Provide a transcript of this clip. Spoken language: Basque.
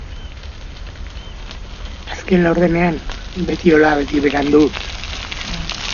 Dena azken laurdenean erabakiko zen.